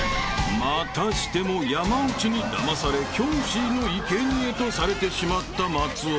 ［またしても山内にだまされキョンシーのいけにえとされてしまった松尾］